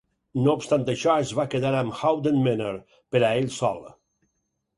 No obstant això, es va quedar amb Howden Manor per a ell sol.